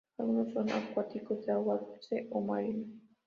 Algunos son acuáticos, de agua dulce o marinos.